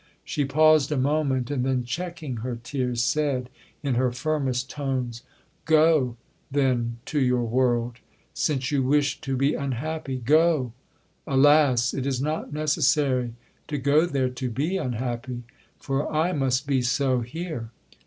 She paused a moment, and then checking her tears, said, in her firmest tones, 'Go, then, to your world,—since you wish to be unhappy—go!—Alas! it is not necessary to go there to be unhappy, for I must be so here.